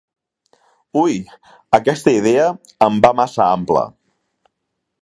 Ui, aquesta idea em va massa ampla!